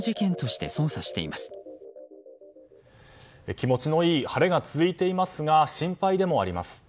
気持ちのいい晴れが続いていますが心配でもあります。